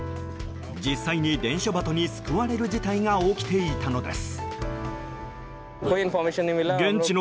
実際に伝書鳩に救われる事態が起きていたのです。